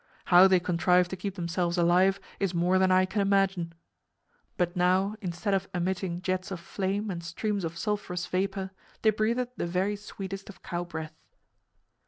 How they contrived to keep themselves alive is more than I can imagine. But now, instead of emitting jets of flame and streams of sulphurous vapor, they breathed the very sweetest of cow breath.